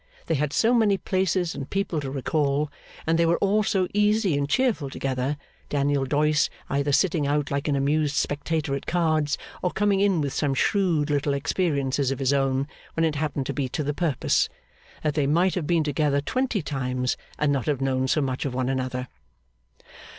They had so many places and people to recall, and they were all so easy and cheerful together (Daniel Doyce either sitting out like an amused spectator at cards, or coming in with some shrewd little experiences of his own, when it happened to be to the purpose), that they might have been together twenty times, and not have known so much of one another.